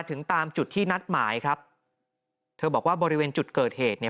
ถึงตามจุดที่นัดหมายครับเธอบอกว่าบริเวณจุดเกิดเหตุเนี่ย